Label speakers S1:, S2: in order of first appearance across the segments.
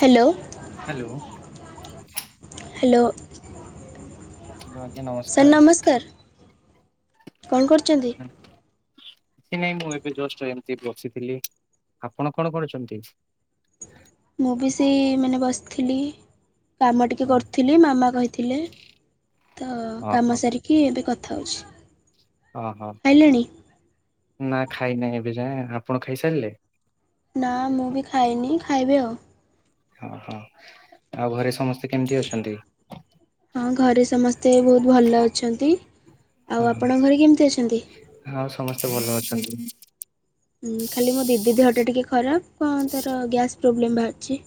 S1: Hello
S2: hello
S1: hello
S2: ଆଜ୍ଞା
S1: sir
S2: ନମସ୍କାର।
S1: ନମସ୍କାର କଣ କରୁଛନ୍ତି?
S2: କିଛି ନାଇଁ ମୁଁ ଏବେ ଜଷ୍ଟ ଏମିତି ବସିଥିଲି, ଆପଣ କଣ କରୁଛନ୍ତି?
S1: ମୁଁ ବି ସେଇ ମାନେ ବସିଥିଲି କାମ ଟିକେ
S2: ଓ
S1: କରୁଥିଲି ମାମା କହିଥିଲେ। ତ କାମ
S2: ଓହୋ
S1: ସାରିକି ଏବେ କଥା ହଉଛି।
S2: ଓହୋ ନା ଖାଇନା ହିଁ ଏବେ ଯାଏ ଆପଣ ଖାଇସାରିଲେ?
S1: ନା ମୁଁ ବି ଖାଇନି ଖାଇବି ଆଉ।
S2: ଓହୋ ଆଉ ଘରେ ସମସ୍ତେ କେମିତି ଅଛନ୍ତି?
S1: ହଁ ଘରେ ସମସ୍ତେ ବହୁତ ଭଲ ଅଛନ୍ତି। ଆଉ ଆପଣ ଘରେ କେମିତି ଅଛନ୍ତି?
S2: ହଁ ସମସ୍ତେ ଭଲ ଅଛନ୍ତି।
S1: ହୁଁ ଖାଲି ମୋ ଦିଦି ଦେହ ଟା ଟିକେ ଖରାପ କଣ ତାର ଗ୍ୟାସ ପ୍ରୋବଲେମ୍ ବାହାରିଛି।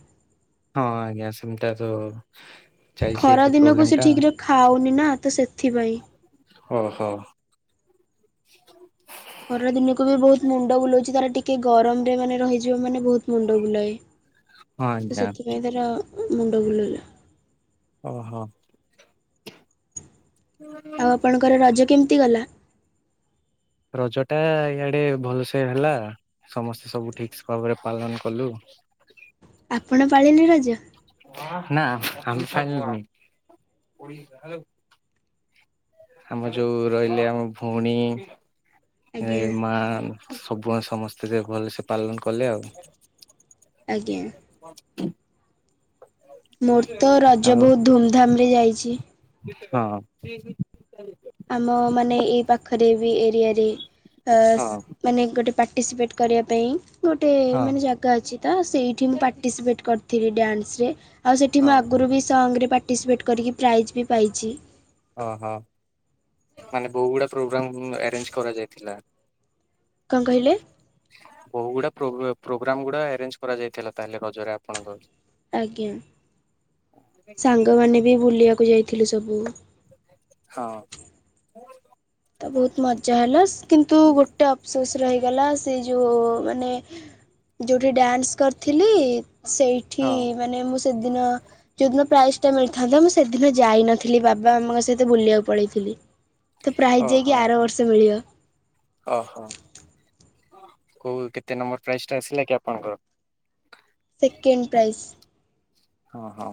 S2: ହଁ ଆଜ୍ଞା ସେମିତି ତାର
S1: ଖରା ଦିନକୁ ସେ ଠିକ୍ ରେ ଖାଉନି ନା ତ ସେଥିପାଇଁ
S2: ହଁ ହଁ।
S1: ଖରା ଦିନକୁ ବି ବହୁତ୍ ମୁଣ୍ଡ ବୁଲଉଛି ତାର ଟିକେ ଗରମ ରେ ମାନେ ରହିଯିବ ମାନେ ବହୁତ୍ ମୁଣ୍ଡ ବୁଲାଏ ତ
S2: ଆଜ୍ଞା।
S1: ସେଥିପାଇଁ ତାର ମୁଣ୍ଡ ବୁଲାଇଲା।
S2: ଅ ହ।
S1: ଆଉ ଆପଣଙ୍କର ରଜ କେମିତି ଗଲା?
S2: ରଜ ଟା ଇଆଡେ ଭଲସେ ହେଲା। ସମସ୍ତେ ସବୁ ଠିକ ଭାବରେ ପାଳନ କଲୁ।
S1: ଆପଣ ପାଳିଲେ ରଜ?
S2: ନା [unintelligible] ଆମ ଯୋଉ ରହିଲେ ଆମ ଭଉଣୀ
S1: ଆଜ୍ଞା
S2: ମା ସବୁବେଳେ ସମସ୍ତେ ଭଲ ସେ ପାଲନ କଲେ
S1: ଆଜ୍ଞା।
S2: ଆଉ।
S1: ମୋର୍ ତ ରଜ
S2: ଆଉ
S1: ବହୁତ ଧୁମଧାମ ରେ ଯାଇଛି।
S2: ହଁ।
S1: ଆମ ମାନେ ଏଇ ପାଖରେ ବି ଏରିଆରେ [unintelligible]
S2: ହଁ
S1: ମାନେ ଗୋଟେ ପାର୍ଟିସିପେଟ କରିବା ପାଇଁ ଗୋଟେ
S2: ହଁ
S1: ମାନେ ଜା ଅଛି ତ ସେଇଠି ମୁଁ ପାର୍ଟିସିପେଟ କରିଥିଲି ଡାନ୍ସରେ ଆଉ ସେଠି ମୁଁ ଆଗରୁ ବି ସଙ୍ଗରେ ପାର୍ଟିସିପେଟ୍ କରିକି ପ୍ରାଇଜ୍ ବି ପାଇଛି।
S2: ଓହୋ ମାନେ ବହୁ ଗୁଡ଼ା ପ୍ରୋଗ୍ରାମ୍ ଆରେଞ୍ଜ କରାଯାଇଥିଲା।
S1: କଣ କହିଲେ?
S2: ବହୁ ଗୁଡା ପ୍ରୋଗ୍ରାମ ଗୁଡା ଆରେଞ୍ଜ କରାଯାଇଥିଲା ତାହଲେ ରଜରେ ଆପଣଙ୍କ?
S1: ଆଜ୍ଞା ସାଙ୍ଗମାନେ ବି ବୁଲିବାକୁ ଯାଇଥିଲେ ସବୁ।
S2: ହଁ।
S1: ତ ବହୁତ ମଜା ହେଲା କିନ୍ତୁ ଗୋଟେ ଅଫସୋସ ରହିଗଲା ସେ ଯୋଉ ମାନେ ଯୋଉଠି ଡ୍ୟାନ୍ସ କରିଥିଲି ସେଇ ଠି
S2: ହଁ
S1: ମାନେ ମୁଁ ସେଦିନ ଯୋଉଦିନ ପ୍ରାଇଜ ଟା ମିଳିଥାନ୍ତା ମୁଁ ସେଦିନ ଯାଇନଥିଲି ବାବା ଆମଙ୍କ ସହିତ ବୁଲିବାକୁ ପଳେଇଥିଲି। ପ୍ରାଇଜ୍ ଯାଇକି ଆର ବର୍ଷ ମିଳିବ।
S2: ଓ ହୋ। କୋଉ କେତେ ନମ୍ବର ପ୍ରାଇଜ୍ ଟା ଆସିଲା କି ଆପଣଙ୍କର?
S1: Second prize.
S2: ହଁ ହଁ।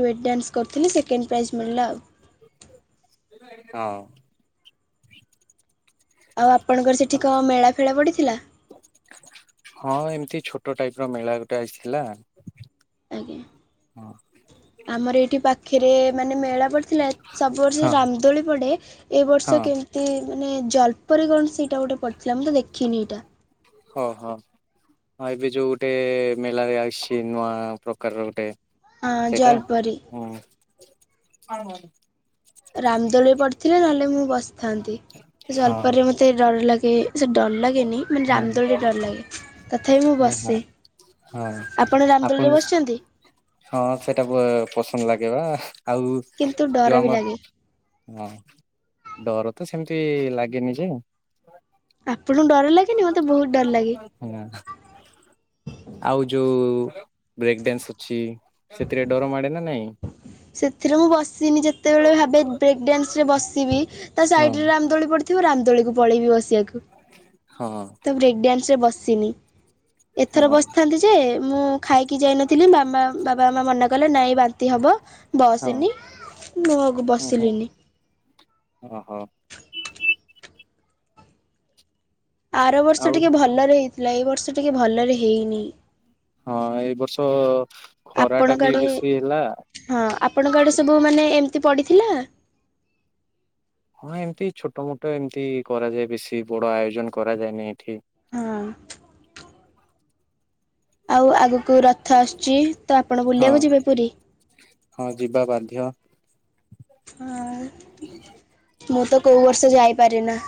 S1: ଡୁଏଟ୍ ଡ୍ୟାନ୍ସ କରିଥିଲି ସେକେଣ୍ଡ ପ୍ରାଇଜ୍ ମିଳିଲା ଆଉ।
S2: ହଁ। ହ
S1: ଆଉ ଆପଣଙ୍କର ସେଠି କ ମେଳା ଫେଳା ପଡ଼ିଥିଲା?
S2: ହଁ ଏମିତି ଛୋଟ ଟାଇପ ର ମେଳା ଗୋଟେ ଆସିଥିଲା।
S1: ଆଜ୍ଞା।
S2: ହଁ।
S1: ଆମର ଏଇଠି ପାଖରେ ମାନେ ମେଳା ପଡିଥିଲା ସବୁ ବର୍ଷ
S2: ହଁ
S1: ରାମଦୋଳି ପଡେ ଏ
S2: ହଁ
S1: ବର୍ଷ କେମିତି ମାନେ ଜଳ୍ପରୀ କଣ ସେଇଟା ଗୋଟେ ପଡ଼ିଥିଲା ମୁଁ ତ ଦେଖିନି ଏଇଟା।
S2: ହଁ ହଁ। ହଁ ଏବେ ଯୋଉ ଗୋଟେ ମେଲାରେ ଆସିଛି ନୂଆ ପ୍ରକାରର ଗୋଟେ
S1: ହଁ
S2: ସେଇଟା
S1: ଜଲପରି।
S2: ହୁଁ।
S1: ରାମଦୋଳିରେ ପଡ଼ିଥିଲେ ନହେଲେ ମୁଁ ବସିଥାନ୍ତି ତ
S2: ହଁ
S1: ଜଳ୍ପରେ ମୋତେ ଡର ଲାଗେ। ସେ ଡର ଲାଗେନି, ମାନେ
S2: ହଁ
S1: ରାମଦୋଳିେ ଡର ଲାଗେ, ତଥାପି ମୁଁ
S2: ହଁ
S1: ବସେ।
S2: ହଁ
S1: ଆପଣ ରାମଦୋଳିରେ
S2: ଆପଣଙ୍କୁ
S1: ବସିଛନ୍ତି?
S2: ହଁ, ସେଇଟାକୁ ପସନ୍ଦ ଲାଗେବା। ଆଉ
S1: କିନ୍ତୁ ଡର
S2: ଯୋଉ
S1: ବି ଲାଗେ
S2: ଆମର ହଁ, ଡର ତ ସେମିତି ଲାଗେନି ଯେ।
S1: ଆପଣଙ୍କୁ ଡର ଲାଗେନି, ମୋତେ ବହୁତ ଡର ଲାଗେ।
S2: ହଁ, ଆଉ ଯୋଉ ବ୍ରେକ ଡଡାନ୍ସ ଅଛି ସେଥିରେ ଡର ମାଡେ ନା ନାହିଁ?
S1: ସେଥିରେ ମୁଁ ବସିନି। ଯେତେବେଳେ ଭାବେ ବ୍ରେକ୍ ଡ୍ୟାନ୍ସ ରେ ବସିବି, ତା
S2: ହଁ
S1: ସାଇଡ଼ରେ ରାମଦୋଳି ପଡ଼ି ଥିବ ରାମଦୋଳିକୁ ପଳେଇବି ବସିବାକୁ।
S2: ହଁ।
S1: ତ ବ୍ରେକ୍ଡ୍ୟାନ୍ସ ରେ ବସିନି। ଏଥର
S2: ହଁ
S1: ବସିଥାନ୍ତି, ଯେ ମୁଁ ଖାଇକି ଯାଇନଥିଲି। ବାବା ମାମା ମନା କଲେ, ନାଇଁ ବାନ୍ତି ହବ।
S2: ହଁ
S1: ବସନି ମୁ
S2: ହୁଁ ହୁଁ
S1: ବସିଲିନି।
S2: [inaudible] ଓହୋ।
S1: ଆର ବର୍ଷ
S2: ଆଉ
S1: ଟିକେ ଭଲରେ ହେଇଥିଲା, ଏଇ ବର୍ଷ ଟିକେ ଭଲରେ ହେଇନି।
S2: ହଁ, ଏଇ ବର୍ଷ ଖରା ଟା
S1: ଆପଣଙ୍କ
S2: ବି
S1: ଆଡେ
S2: ବେଶି ହେଲା।
S1: ହଁ, ଆପଣଙ୍କ ଆଡେ ସବୁ ମାନେ ଏମିତି ପଡିଥିଲା।
S2: ହଁ, ଏମତି ଛୋଟ ମୋଟ ଏମିତି କରାଯାଏ। ବେଶି ବଡ ଆୟୋଜନ କରାଯାଏନି ଏଠି।
S1: ହଁ। ଆଉ ଆଗକୁ ରଥ ଆସୁଛି ତ, ଆପଣ
S2: ହଁ
S1: ବୁଲିବାକୁ ଯିବେ ପୁରୀ?
S2: ହଁ, ଯିବା ବାଧ୍ୟ।
S1: ହଁ, ମୁଁ ତ କୋଉ ବର୍ଷ ଯାଇପାରେ ନା।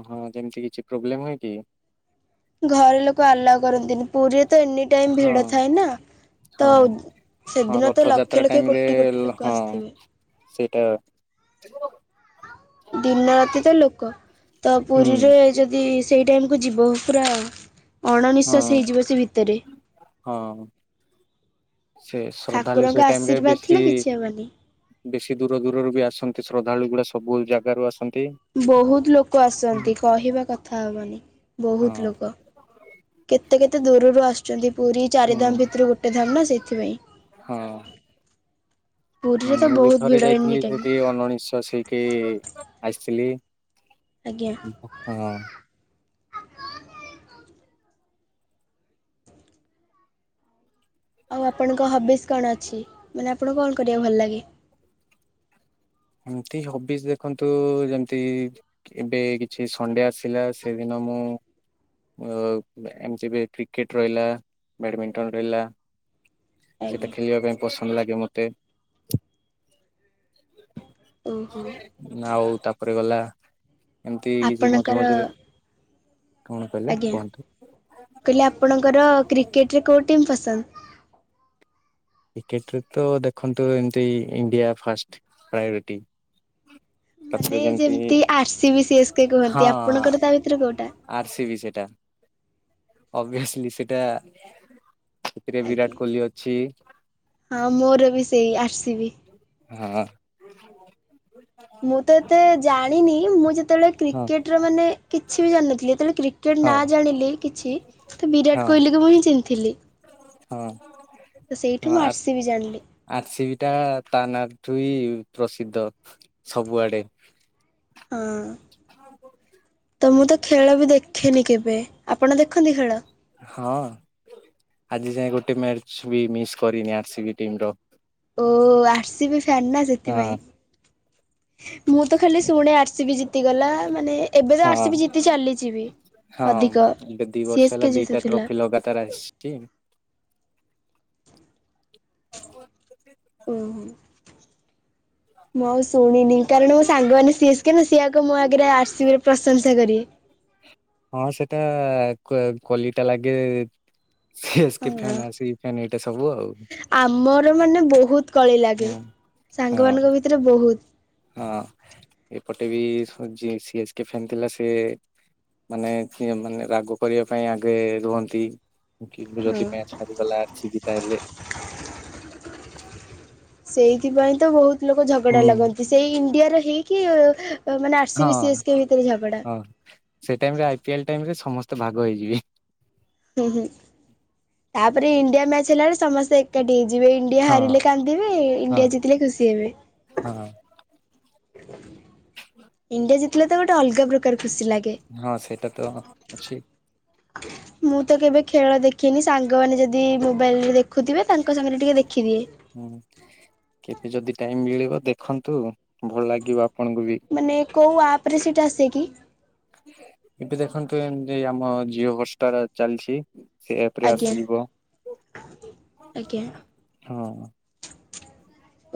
S2: ଓହୋ, ଯେମିତି କିଛି ପ୍ରୋବ୍ଲେମ ହୁଏ କି?
S1: ଘରେ ଲୋକ ଆଲାଉ କରନ୍ତିନି। ପୁରୀରେ ତ ଏନି ଟାଇମ୍
S2: ହଁ
S1: ଭିଡ ଥାଏ ନା!
S2: ହଁ
S1: ତ
S2: ହଁ
S1: ସେଦିନ ତ
S2: ରଥଯାତ୍ରା
S1: ଲକ୍ଷ
S2: ଟାଇମ
S1: ଲକ୍ଷେ,
S2: ରେ
S1: କୋଟି କୋଟି ଲୋକ
S2: ହଁ
S1: ଆସିଥିବେ।
S2: ସେଇଟା
S1: ଦିନ ରାତି ତ ଲୋକ ତ
S2: ହୁଁ
S1: ପୁରୀରେ, ଯଦି ସେଇ ଟାଇମ୍ କୁ ଯିବୁ ପୁରା
S2: ହଁ
S1: ଅଣନିଶ୍ୱାସ ହେଇଯିବ, ସେ ଭିତରେ।
S2: ହଁ। ସେ ଶ୍ରଦ୍ଧାଳୁ ସେ
S1: ଠାକୁରଙ୍କ
S2: ଟାଇମ୍ ରେ
S1: ଆଶୀର୍ବାଦ
S2: ବେଶି
S1: ଥିଲେ କିଛି ହେବନି
S2: ବେଶି ଦୂର ଦୂରରୁ ବି ଆସନ୍ତି ଶ୍ରଦ୍ଧାଳୁ ଗୁଳା। ସବୁ ଜାଗାରୁ ଆସନ୍ତି।
S1: ବହୁତ ଲୋକ ଆସନ୍ତି,
S2: ହୁଁ
S1: କହିବା କଥା ହବନି, ବହୁତ
S2: ହଁ
S1: ଲୋକ। କେତେ କେତେ ଦୂରରୁ ଆସୁଛନ୍ତି। ପୁରୀ ଚାରି
S2: ହୁଁ
S1: ଧାମ ଭିତରୁ ଗୋଟେ ଧାମ, ନା ସେଇଥିପାଇଁ।
S2: ହଁ,
S1: ପୁରୀରେ ତ
S2: ମୁଁ ବି
S1: ବହୁତ
S2: ଥରେ
S1: ଭିଡ଼ ଏନି
S2: ଯାଇଥିଲି।
S1: ଟାଇମ୍
S2: ସେଠି ଅଣନିଃଶ୍ବାସୀ ହେଇକି ଆସିଥିଲି।
S1: ଆଜ୍ଞା।
S2: [inaudible] ହଁ।
S1: ଆଉ ଆପଣଙ୍କ ହବିଜ କଣ ଅଛି? ମାନେ, ଆପଣଙ୍କୁ କଣ କରିବାକୁ ଭଲ ଲାଗେ?
S2: ଏମିତି ହବିଜ ଦେଖନ୍ତୁ? ଯେମିତି ଏବେ କିଛି ସଣ୍ଡେ ଆସିଲା, ସେଦିନ ମୁଁ ଏମିତି ବି କ୍ରିକେଟ ରହିଲା, ବ୍ୟାଡ଼ମିଣ୍ଟନ ରହିଲା, ସେଇଟା
S1: ଆଜ୍ଞା
S2: ଖେଳିବା ପାଇଁ ପସନ୍ଦ ଲାଗେ ମତେ।
S1: ଓହୋ
S2: [inaudible] ଆଉ ତାପରେ ଗଲା। ଏମିତି କିଛି
S1: ଆପଣଙ୍କର
S2: ମଝି ମଝିରେ କଣ କହିଲେ
S1: ଆଜ୍ଞା,
S2: କୁହନ୍ତୁ
S1: ପିଲା ଆପଣଙ୍କର କ୍ରିକେଟରେ କୋଉ ଟିମ୍ ପସନ୍ଦ?
S2: କ୍ରିକେଟରେ ତ ଦେଖନ୍ତୁ, ଏମିତି ଇଣ୍ଡିଆ ଫାଷ୍ଟ ପ୍ରାୟୋରିଟି।
S1: ମାନେ ଯେମିତି ଆର୍ସି ବି ସିଏସ୍ କେ କୁହନ୍ତି ଆପଣଙ୍କର ତା ଭିତୁରୁ କୋଉଟା?
S2: ଆର୍ସି ବି ସେଟା ଓଭିଅସ୍ ଲି ସେଟା ସେଥିରେ
S1: ଆଜ୍ଞା
S2: ବିରାଟ କୋହଲି ଅଛି
S1: ହଁ ମୋର ବି ସେଇ ଆର୍ସି ବି।
S2: ହଁ।
S1: ମୁଁ ତ ଏତେ ଜାଣିନି ମୁଁ ଯେତେବେଳେ
S2: ହଁ
S1: କ୍ରିକେଟ୍ ର ମାନେ କିଛି ବି ଜାଣିନଥିଲି ଯେତେବେଳେ କ୍ରିକେଟ୍
S2: ହଁ
S1: ନା ଜାଣିଲି କିଛି ତ ବିରାଟ୍
S2: ହଁ
S1: କୋହଲିକୁ ମୁଁ ହିଁ ଚିହ୍ନିଥିଲି।
S2: ହଁ।
S1: ତ ସେଇଠୁ ମୁଁ ଆର୍ସି ବି ଜାଣିଲି।
S2: ଆର୍ସି ବି ଟା ତାନା ଠୁ ହି ପ୍ରସିଦ୍ଧ ସବୁଆଡେ।
S1: ହଁ।
S2: [inaudible] ହଁ
S1: ତ ମୁଁ ତ ଖେଳ ବି ଦେଖେନି କେବେ ଆପଣ ଦେଖନ୍ତି ଖେଳ?
S2: ହଁ ଆଜି ଯାଏ ଗୋଟେ ମ୍ୟାଚ୍ ବି ମିସ୍ କରିନି ଆର୍ସି ବି ଟିମ୍ ର।
S1: ଓ ଆର୍ସିି ବି ଫ୍ୟାନ୍ ନା
S2: ହଁ
S1: ସେଥିପାଇଁ। ମୁଁ ତ ଖାଲି ଶୁଣେ ଆର୍ସି ବି ଜିତିଗଲା ମାନେ ଏବେ ତ
S2: ହଁ
S1: ଆର୍ସି ବି ଜିତି ଚାଲିଛି ବି।
S2: ହଁ
S1: ଅଧିକ
S2: ଏବେ ଦି ବର୍ଷ
S1: ସିଏସ୍
S2: ହେଲା
S1: କେ
S2: ଦିଟା
S1: ଜିତୁଥିଲା
S2: ଟ୍ରଫି ଲଗାତାର ଆସି ଚି।
S1: ଓହୋ। [inaudible] ନି କାରଣ ମୋ ସାଙ୍ଗମାନେ ସିଏସ୍ କେ ନା ସିଏ ଆଗ ମୋ ଆଗେରେ ଆର୍ସି ବି ର ପ୍ରଶଂସା କରିବେ।
S2: ହଁ ସେଟା କ କଲିଟା ଲାଗେ ସିଏସ୍ କେ
S1: ହଁ
S2: ଫ୍ୟାନ୍ ଅଛି ଫ୍ୟାନ୍ ଏଇଟା ସବୁ ଆଉ।
S1: ଆମର ମାନେ ବହୁତ୍ କଳି ଲାଗେ
S2: ହୁଁ ହଁ
S1: ସାଙ୍ଗ ମାନଙ୍କ ଭିତେରେ ବହୁତ୍।
S2: ହଁ ଏପଟେ ବି ସଚି ସିଏସ୍ କେ ଫ୍ୟାନ୍ ଥିଲା ସେ ମାନେ ଏଥି ମାନେ ରାଗ କରିଆ ପାଇଁ ଆଗେ ରୁହନ୍ତି [inaudible] ଓ କେ ଯଦି
S1: ହଁ।
S2: ମ୍ୟାଚ୍ ହାରିଗଲା ଆର୍ସି ବି ତା ହେଲେ
S1: ସେଇଥିପାଇଁ ତ ବହୁତ୍ ଲୋକ ଝଗଡା
S2: ହୁଁ
S1: ଲାଗନ୍ତି ସେଇ ଇଣ୍ଡିଆର ହେଇକି ଅ ତ ମାନେ
S2: ହଁ
S1: R C B C S K ଭିତେରେ ଝଗଡା।
S2: [inaudible] ହଁ ସେ ଟାଇମ୍ ରେ ଆଇ ପିଏଲ୍ ଟାଇମ୍ ରେ ସମସ୍ତେ ଭାଗ ହେଇଯିବେ।
S1: ହୁଁ ହୁଁ ତାପରେ ଇଣ୍ଡିଆ ମ୍ୟଚ୍ ହେଲା ବେଳେ ସମସ୍ତେ ଏକାଠି ହେଇଯିବେ ଇଣ୍ଡିଆ
S2: ହଁ
S1: ହାରିଲେ କାନ୍ଦିବେ
S2: ହଁ
S1: ଇଣ୍ଡିଆ ଜିତିଲେ ଖୁସି ହେବେ।
S2: ହଁ।
S1: ଇଣ୍ଡିଆ ଜତିଲେ ତ ଗୋଟେ ଅଲଗା ପ୍ରକାର ଖୁସି ଲା
S2: ହଁ ସେଇଟା ତ ଅଛି।
S1: ମୁଁ ତ କେବେ ଖେଳ ଦେଖିନି ସାଙ୍ଗମାନେ ଯଦି ମୋବାଇଲ୍ ଦେଖୁ ଥିବେ ତାଙ୍କ ସାଙ୍ଗେରେ ଟିକେ ଦେଖିଦିଏ।
S2: ହୁଁ କେବେ ଯଦି ଟାଇମ୍ ମିଳିବ ଦେଖନ୍ତୁ ଭଲ୍ ଲାଗିବ ଆପଣଙ୍କୁ ବି।
S1: ମାନେ କୋଉ ଆପ୍ ରେ ସେଇଟା ଆସେ କି?
S2: ଏବେ ଦେଖନ୍ତୁ ଏମ୍ ତି ଆମ ଜିଓ ହୋଷ୍ଟା ଚାଲିଛି ସେ ଆପ୍ ରେ
S1: ଆଜ୍ଞା
S2: ଆସିଯିବ
S1: ଆଜ୍ଞା।
S2: ହଁ।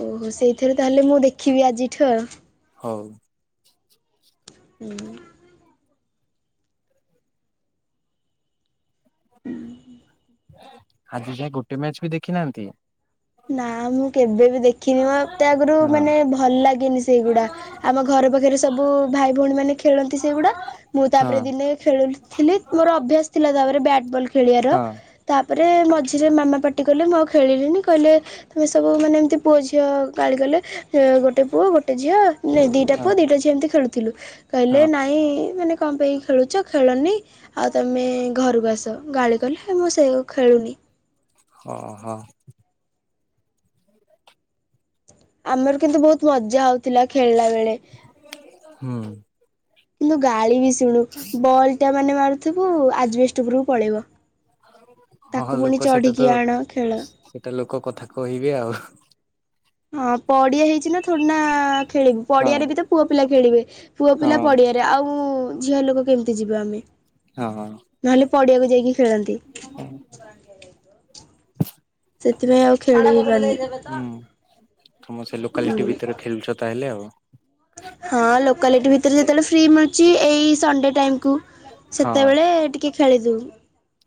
S1: ଓହୋ ସେଇଥିରେ ତାହେଲେ ମୁଁ ଦେଖିବି ଆଜିଠୁ ଆଉ।
S2: ହଉ।
S1: ହୁଁ।
S2: ଆଜି ଯାଏ ଗୋଟେ ମ୍ୟାଚ୍ ବି ଦେଖି ନାହାନ୍ତି?
S1: ନା ମୁଁ କେବେ ବି ଦେଖିନି ମତେ ଆଗୁରୁ
S2: ହଁ
S1: ମାନେ ଭଲ୍ ଲାଗେନି ସେଇଗୁଡା। ଆମ ଘର ବଜାରେ ସବୁ ଭାଇ, ଭଉଣୀ ମାନେ ଖେଳନ୍ତି ସେଇଗୁଡା ମୁଁ
S2: ହଁ
S1: ତାପରେ ଦିନେ ଖେଳୁଥିଲି ମୋର ଅଭ୍ୟାସ୍ ଥିଲା ତାପରେ ବ୍ୟାଟ୍ ବଲ୍ ଖେଳିବାର
S2: ହଁ
S1: ତାପରେ ମଝିରେ ମାମା ପାଟି କହିଲେ ମୁଁ ଆଉ ଖେଳିଲିନି କହିଲେ ତୁମେ ସବୁ ମାନେ ଏମ୍ତି ପୁଅ ଝି ଅ ଗାଳି କଲେ ଏ ଗୋଟେ ପୁଅ ଗୋଟେ ଝିଅ ଏଁ ଦୁଇଟା
S2: ହଁ
S1: ପୁଅ ଦୁଇଟା ଝିଅ ଏମିତି ଖେଳୁଥିଲୁ। କହିଲେ
S2: ହଁ
S1: ନାଇଁ ମାନେ ଙ୍କ ପାଇଁ ଖେଳୁଛ ଖେଳନି ଆଉ ତମେ ଘରକୁ ଆସ ଗାଳି କଲେ ମୁଁ ସେଉ ଖେଳୁନି।
S2: ହଁ ହଁ।
S1: ଆମର କିନ୍ତୁ ବହୁତ୍ ମଜା ହଉଥିଲା ଖେଳ୍ଲା ବେଳେ।
S2: ହୁଁ।
S1: କିନ୍ତୁ ଗାଳି ବି ଶୁଣୁ ବଲ୍ ଟା ମାନେ ମାରୁଥିବୁ ଆଜେବେଷ୍ଟେ ଉପରକୁ ପଳେଇବ। ତାକୁ
S2: ହଁ
S1: ପୁଣି
S2: ଲୋକ ସେଇଟା
S1: ଚଢିକି
S2: ତ
S1: ଆଣ ଖେଳ।
S2: ସେ ସେଟା ଲୋକ କଥା କହିବେ ଆଉ।
S1: ହଁ ପଡିଆ ହେଇଛି ନା ଥଡିନା ଖେଳିବୁ
S2: ହଁ
S1: ପଡିଆରେ ବିତ ପୁଅ ପିଲା ଖେଳିବେ ପୁଅ
S2: ହଁ
S1: ପିଲା ପଡିଆ ରେ ଆଉ ଝିଅ ଲୋକ କେମ୍ତି ଯିବେ ଆମେ।
S2: ହଁ ହ।
S1: ନହେଲେ ପଡିଆକୁ ଯାଇକି ଖେଳନ୍ତି। ସେଥିପାଇଁ ଆଉ ଖେଳିବି ପାର୍ନି।
S2: ହୁଁ ତମ ସେ ଲୋକାଲିଟି ଭିତରେ ଖେଳୁଛ ତାହେଲେ ଆଉ?
S1: ହଁ ଲୋକାଲିଟି ଭିତରେ ଯେତେବେଳେ ଫ୍ରି ମିଲ୍ ଛି ଏଇ ସଣ୍ଡେ ଟାଇମ୍ କୁ ସେତେବେଳେ ଟିକେ ଖେଳିଦେଉ।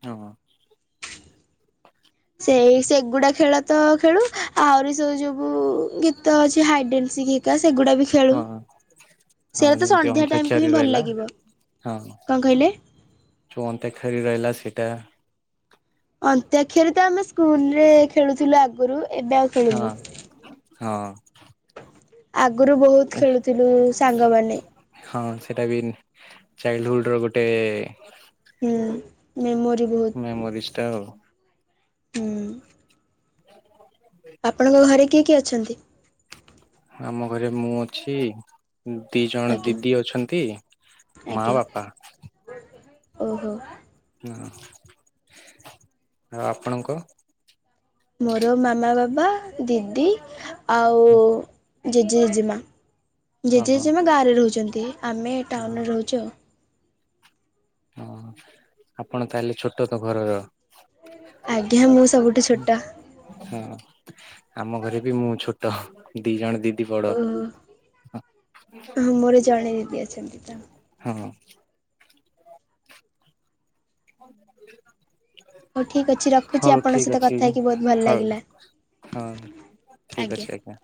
S2: ୟହଁ।
S1: ସେଇ ସେଗୁଡା ଖେଳ ତ ଖେଳୁ ଆହୁରି ସବୁ ଯୋବୁ ଗୀତ ଅଛି। ହାଇଡେନ୍ସି ହିକା ସେଗୁଡା ବି ଖେଳୁ।
S2: ହଁ ହଁ
S1: ସେଇୟା ତ
S2: ଯେମିତି
S1: ସନ୍ଧ୍ୟା ଟାଇମ୍ କୁ
S2: ଅନ୍ତାକ୍ଷରୀ
S1: ହିଁ ଭଲ୍
S2: ରହିଲା
S1: ଲାଗିବ ଙ୍କ କହିଲେ?
S2: ଛୁଅନ୍ତେ ଖେଳି ରହିଲା ସେଟା
S1: ଅନ୍ତ୍ୟକ୍ଷର ତ ଆମେ ସ୍କୁଲ୍ ରେ ଖେଳୁଥିଲୁ ଆଗୁରୁ ଏବେ ଆଉ
S2: ହଁ
S1: ଖେଳିନୁ।
S2: ହଁ।
S1: ଆଗରୁ ବହୁତ୍ ଖେଳୁଥିଲୁ ସାଙ୍ଗମାନେ।
S2: ହଁ ସେଇଟା ବି ଚାଇଲ୍ଡହୁଲଡ୍ ର ଗୋଟେ
S1: ହୁଁ ମେମୋରି ବହୁତ
S2: ମେମୋରିଷ୍ ଟା ଆଉ।
S1: ହୁଁ।
S2: [unintelligible]
S1: ଆପଣଙ୍କ ଘରେ କିଏ କିଏ ଅଛନ୍ତି?
S2: ଆମ ଘରେ ମୁଁ ଅଛି। ଦି ଜଣ
S1: ଆଜ୍ଞା
S2: ଦିଦି ଅଛନ୍ତି ମା
S1: ଆଜ୍ଞା
S2: ବାପା।
S1: ଓହୋ।
S2: ଏହଁ ଆଉ ଆପଣଙ୍କ?
S1: ମୋର ମାମା ବାବା ଦିଦି ଆଉ ଜେଜେ ଜେଜେମା ଜେଜେ
S2: ହଁ ହଁ
S1: ଜେଜେମା ଗାଁରେ ରହୁଛନ୍ତି ଆମେ
S2: ହଁ
S1: ଟାଉନ୍ ରେ ରହୁଛୁ ଆଉ।
S2: ହଁ ଆପଣ ତାହେଲେ ଛୋଟ ତ ଘରର।
S1: ଆଜ୍ଞା ମୁଁ ସବୁଠୁ ଛୋଟ।
S2: ହଁ ଆମ ଘରେ ବି ମୁଁ ଛୋଟ। ଦି ଜଣ ଦିଦି ବଡ
S1: ଓହୋ
S2: ଆ
S1: ଜାଣେ ଦିଦି ଆ
S2: ହଁ।
S1: ହଉ ଠିକ୍ ଅଛି
S2: [unintelligible]
S1: ରଖୁଛି
S2: ହଉ
S1: ଆପଣଙ୍କ
S2: ଠିକ୍
S1: ସହିତ
S2: ଅଛି
S1: କଥା ହେଇକି ବହୁତ ଭଲ
S2: ହଉ
S1: ଲାଗିଲା
S2: ହଁ। ଠିକ ଅଛି ଆଜ୍ଞା।